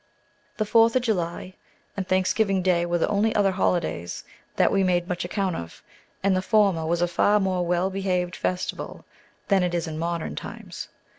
The Fourth of July and Thanksgiving Day were the only other holidays that we made much account of, and the former was a far more well behaved festival than it is in modern times.